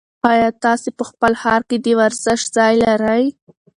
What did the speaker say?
ایا تاسي په خپل ښار کې د ورزش ځای لرئ؟